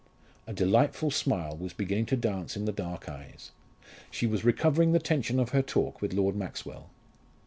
A delightful smile was beginning to dance in the dark eyes. She was recovering the tension of her talk with Lord Maxwell.